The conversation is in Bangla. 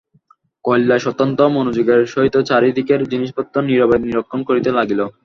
কৈলাস অত্যন্ত মনোযোগের সহিত চারি দিকের জিনিসপত্র নীরবে নিরীক্ষণ করিতে লাগিল।